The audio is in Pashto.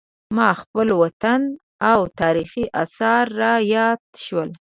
ما خپل وطن او تاریخي اثار را یاد شول.